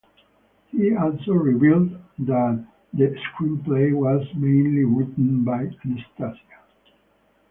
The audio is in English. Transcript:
He also revealed that the screenplay was mainly written by Anastasia.